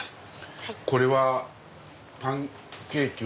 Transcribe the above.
これはパンケーキは。